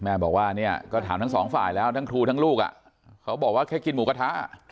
แม่บอกว่าเนี่ยก็ถามทั้งสองฝ่ายแล้วทั้งครูทั้งลูกเขาบอกว่าแค่กินหมูกระทะ